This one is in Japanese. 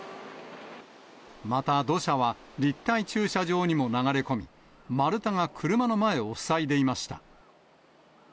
また土砂は、立体駐車場にも流れ込み、丸太が車の前を塞いでいました。